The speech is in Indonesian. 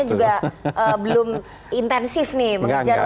atau golkarnya juga belum intensif nih mengejar untuk ketemu